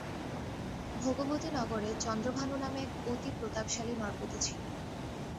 ভোগবতী নগরে চন্দ্রভানু নামে অতি প্রতাপশালী নরপতি ছিলেন।